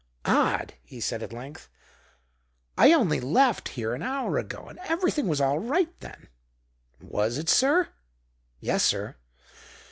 "Odd," he said at length. "I only left here an hour ago and everything was all right then." "Was it, sir? Yes, sir."